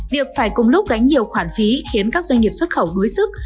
việc phải cùng lúc gánh nhiều khoản phí khiến các doanh nghiệp xuất khẩu đuối sức